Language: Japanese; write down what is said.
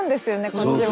こっちも。